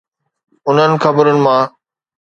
انهن خبرن مان؟